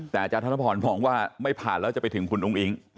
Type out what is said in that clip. แต่อาจารย์ธนพรมองว่าไม่ผ่านแล้วจะไปถึงคุณอุ้งอิง